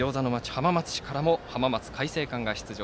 浜松市からも浜松開誠館が出場。